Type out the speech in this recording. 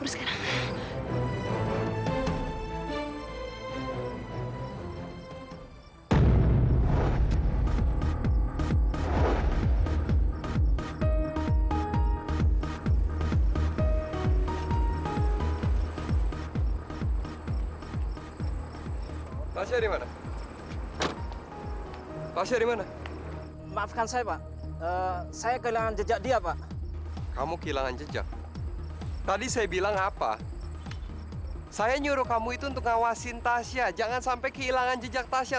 jangan sampai kehilangan jejak tasha